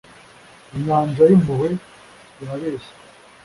inyanja y'impuhwe irabeshya